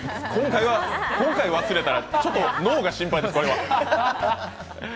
今回忘れたら、ちょっと脳が心配です。